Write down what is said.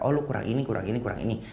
oh lu kurang ini kurang ini kurang ini